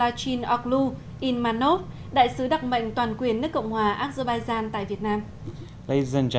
và có khi vào năm một nghìn chín trăm tám mươi